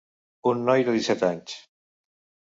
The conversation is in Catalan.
Un noi de disset anys.